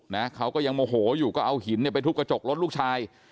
นะเขาก็ยังโมโหอยู่ก็เอาหินเนี่ยไปทุบกระจกรถลูกชาย